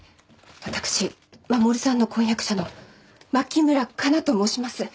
私護さんの婚約者の牧村かなと申します。